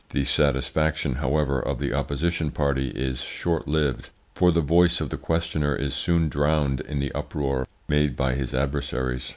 The satisfaction, however, of the opposition party is shortlived, for the voice of the questioner is soon drowned in the uproar made by his adversaries.